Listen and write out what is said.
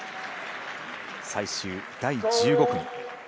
最終第１５組。